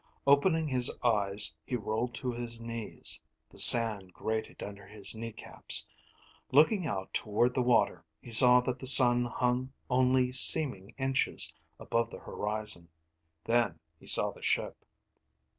Opening his eyes, he rolled to his knees. The sand grated under his knee caps. Looking out toward the water, he saw that the sun hung only seeming inches above the horizon. Then he saw the ship.